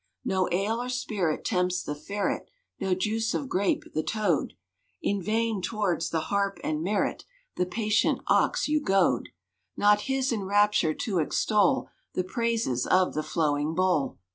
= No ale or spirit tempts the Ferret, `No juice of grape the Toad. [Illustration: 022] In vain towards the "Harp and Merit" `The patient Ox you goad; Not his in rapture to extol The praises of the flowing bowl.